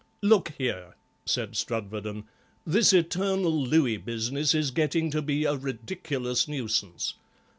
"Look here," said Strudwarden, "this eternal Louis business is getting to be a ridiculous nuisance.